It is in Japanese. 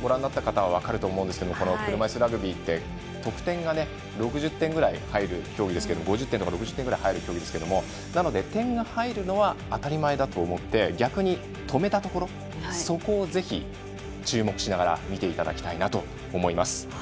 ご覧になった方は分かると思うんですけどこの車いすラグビーって得点が、６０点ぐらい入る競技ですけれども点が入るのは当たり前だと思って逆に止めたところそこを、ぜひ注目しながら見ていただきたいと思います。